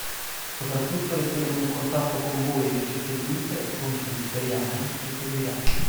Soprattutto resteremo in contatto con voi che ci seguite e con chi (speriamo) ci seguirà.